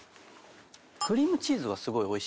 クリームチーズはすごいおいしいです。